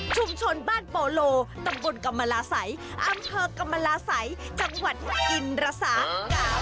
ชุมชนบ้านโปโลตำบลกำมาลาสัยอำเภอกำมาลาสัยจังหวัดอินรสาห์กาวาสิน